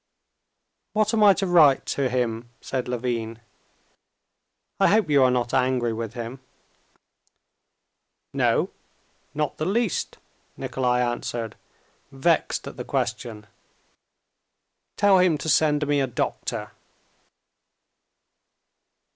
"What am I to write to him?" said Levin. "I hope you are not angry with him?" "No, not the least!" Nikolay answered, vexed at the question. "Tell him to send me a doctor."